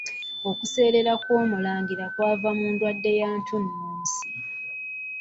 Okuseerera kw'Omulangira kwava ku ndwadde ya ntunnunsi.